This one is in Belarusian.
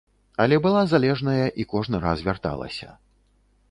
Але была залежная і кожны раз вярталася.